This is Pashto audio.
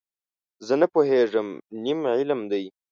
زه نه پوهېږم، نیم علم دی.